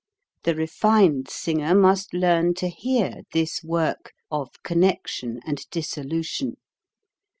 The refined singer must 292 HOW TO SING learn to hear this work of connection and dissolution.